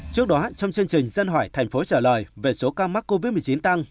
trước đó trong chương trình dân hỏi thành phố trả lời về số ca mắc covid một mươi chín tăng